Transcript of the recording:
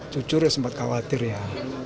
jujur sempat khawatir ya